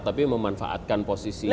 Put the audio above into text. tapi memanfaatkan posisi